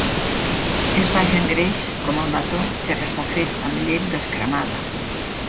És baix en greix, com el mató, ja que està fet amb llet descremada.